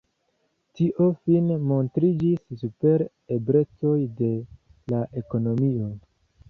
Tio fine montriĝis super eblecoj de la ekonomio.